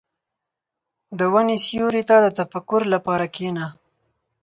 • د ونې سیوري ته د تفکر لپاره کښېنه.